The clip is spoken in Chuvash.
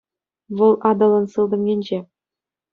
Вӑл Атӑлӑн сылтӑм енче.